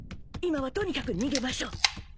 今はとにかく逃げましょう。